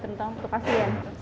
terutama untuk pasien